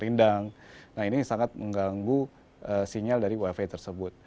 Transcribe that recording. nah ini sangat mengganggu sinyal dari wifi tersebut